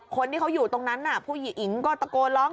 คนที่เขาอยู่ตรงนั้นน่ะผู้หญิงอิ๋งก็ตะโกนร้อง